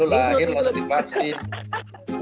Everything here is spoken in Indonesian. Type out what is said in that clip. lu lahir mau dapetin vaksin